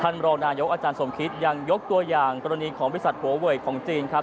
ท่านมรนายกอาจารย์สมคิดยังยกตัวอย่างกรณีของวิทยาลัยประเภทของจีนครับ